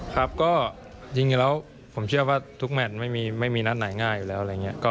ครับก็จริงแล้วผมเชื่อว่าทุกแมทไม่มีนัดไหนง่ายอยู่แล้วอะไรอย่างนี้